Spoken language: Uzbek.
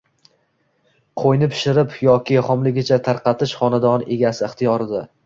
Qo‘yni pishirib yoki xomligicha tarqatish xonadon egasi ixtiyorida.